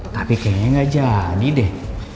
tapi kayaknya nggak jadi deh